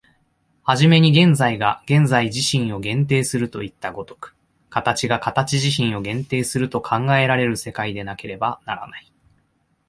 始めに現在が現在自身を限定するといった如く、形が形自身を限定すると考えられる世界でなければならない。